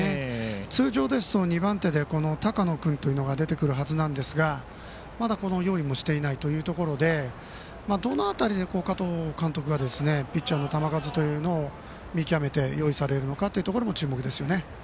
通常ですと２番手で高野君が出てくるはずですがまだ用意もしていないというところでどの辺りで加藤監督がピッチャーの球数というのを見極めて用意されるのかも注目ですね。